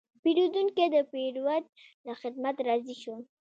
پیرودونکی د پیرود له خدمت راضي شو.